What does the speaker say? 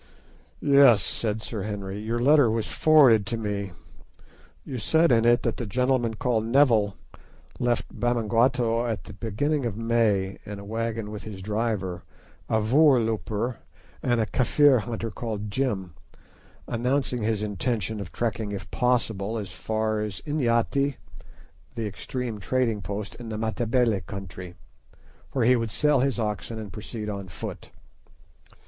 "Yes," said Sir Henry, "your letter was forwarded to me. You said in it that the gentleman called Neville left Bamangwato at the beginning of May in a wagon with a driver, a voorlooper, and a Kafir hunter called Jim, announcing his intention of trekking if possible as far as Inyati, the extreme trading post in the Matabele country, where he would sell his wagon and proceed on foot.